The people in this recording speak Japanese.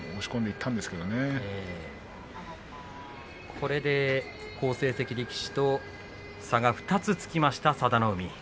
これで好成績力士と差が２つつきました佐田の海です。